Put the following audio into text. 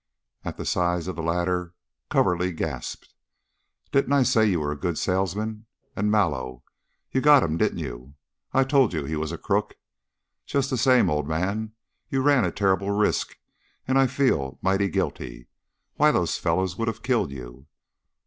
At the size of the latter Coverly gasped. "Didn't I say you were a good salesman? And Mallow! You got him, didn't you? I told you he was a crook. Just the same, old man, you ran a terrible risk and I feel mighty guilty. Why, those fellows would have killed you."